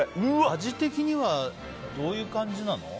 味的にはどういう感じなの？